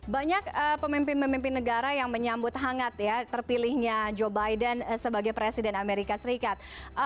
banyak pemimpin pemimpin negara yang menyambut hangat ya terpilihnya joe biden sebagai presiden amerika serikat